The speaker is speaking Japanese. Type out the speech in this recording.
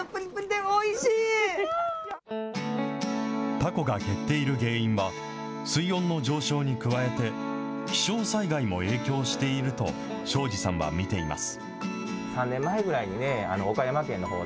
タコが減っている原因は、水温の上昇に加えて、気象災害も影響していると庄司さんは見ています。